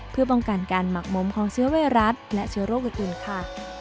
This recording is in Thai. เพื่อป้องกันการหมักมของเชื้อไวรัสและเชื้อโรคอื่นค่ะ